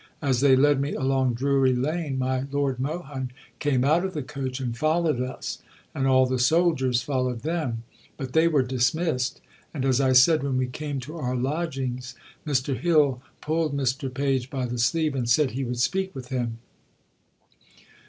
As they led me along Drury Lane, my Lord Mohun came out of the coach and followed us, and all the soldiers followed them; but they were dismissed, and, as I said, when we came to our lodgings, Mr Hill pulled Mr Page by the sleeve and said he would speak with him.